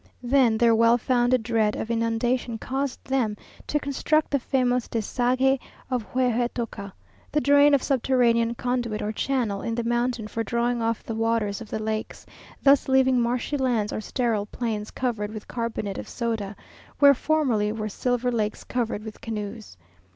Then their well founded dread of inundation caused them to construct the famous Desague of Huehuetoca, the drain or subterranean conduit or channel in the mountain for drawing off the waters of the lakes; thus leaving marshy lands or sterile plains covered with carbonate of soda, where formerly were silver lakes covered with canoes.